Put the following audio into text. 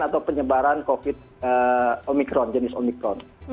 atau penyebaran covid omikron jenis omikron